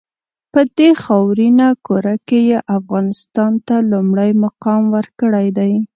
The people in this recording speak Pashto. په دې خاورینه کُره کې یې افغانستان ته لومړی مقام ورکړی دی.